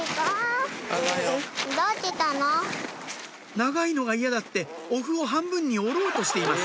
長いのが嫌だってお麩を半分に折ろうとしています